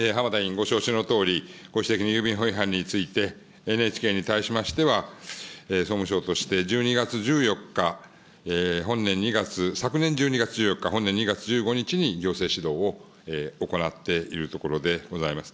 ご承知のとおりご指摘の郵便法違反について、ＮＨＫに対しましては、総務省として１２月１４日、本年２月、昨年１２月１４日、本年２月１５日に行政指導を行っているところでございます。